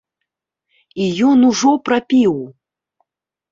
І ён ужо прапіў!